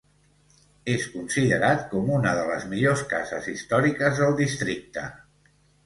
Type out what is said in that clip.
És considerat com una de les millors cases històriques del districte.